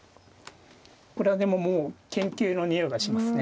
これはでももう研究のにおいがしますね。